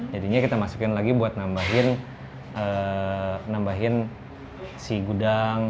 jadinya kita masukin lagi buat nambahin nambahin si gudang